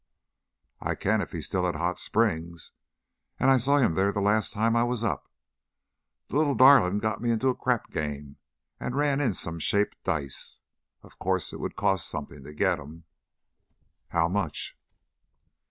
"I can if he's still at Hot Springs, and I saw him there the last time I was up. The little darling got me into a crap game and ran in some shaped dice. Of course, it would cost something to get him." "How much?"